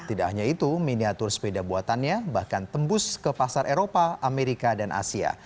tidak hanya itu miniatur sepeda buatannya bahkan tembus ke pasar eropa amerika dan asia